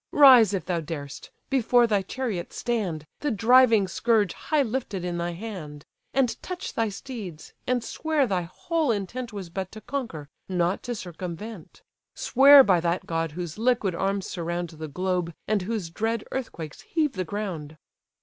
Rise if thou darest, before thy chariot stand, The driving scourge high lifted in thy hand; And touch thy steeds, and swear thy whole intent Was but to conquer, not to circumvent. Swear by that god whose liquid arms surround The globe, and whose dread earthquakes heave the ground!"